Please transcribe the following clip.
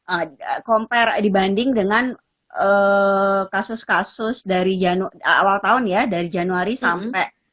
ada compare dibanding dengan kasus kasus dari awal tahun ya dari januari sampai